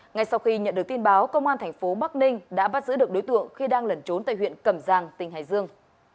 ngay sau khi nhận được tin báo công an tp bắc ninh đã bắt giữ được đối tượng khi đang lẩn trốn tại huyện cầm giang tỉnh hải dương